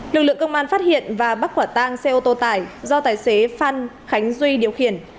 lực lượng công an phát hiện và bắt quả tang xe ô tô tải do tài xế phan khánh duy điều khiển